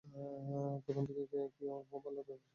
তখন থেকেই কাউকে কিছু বলার ব্যাপারে সতর্ক থাকছি।